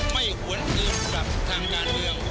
ไม่หวนอื่นกับทางด้านเมือง